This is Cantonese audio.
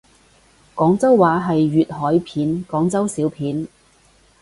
廣州話係粵海片廣州小片